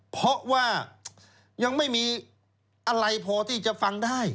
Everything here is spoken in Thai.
เพราะว่ายังไม่มีอะไรพอที่จะฟังได้